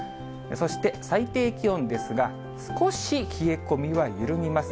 そして最低気温ですが、少し冷え込みは緩みます。